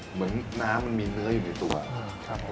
เหมือนน้ำมันมีเนื้ออยู่ในตัว